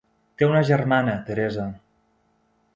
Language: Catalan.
Té una germana, Teresa.